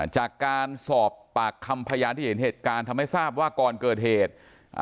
จากการสอบปากคำพยานที่เห็นเหตุการณ์ทำให้ทราบว่าก่อนเกิดเหตุ